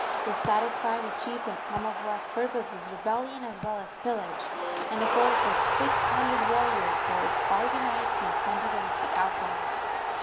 This satisfied the chief that Kamapuaa's purpose was rebellion as well as pillage, and a force of six hundred warriors was organized and sent against the outlaws.